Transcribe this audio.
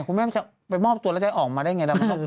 คุณแม่มันจะไปมอบตัวใช่ไหมแล้วได้อยู่กันมาได้ยังไง